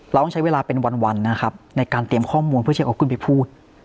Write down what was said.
เราต้องใช้เวลาเป็นวันนะครับในการเตรียมข้อมูลเพื่อจะเอาขึ้นไปพูด